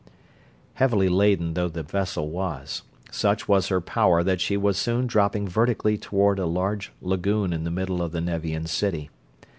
Heavily laden though the vessel was, such was her power that she was soon dropping vertically toward a large lagoon in the middle of the Nevian city.